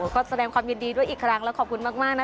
ก็แสดงความยินดีด้วยอีกครั้งแล้วขอบคุณมากนะ